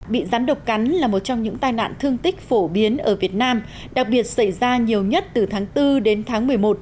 bị rắn độc cắn là một trong những tai nạn thương tích phổ biến ở việt nam đặc biệt xảy ra nhiều nhất từ tháng bốn đến tháng một mươi một